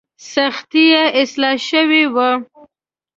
سختي یې اصلاح شوې وه.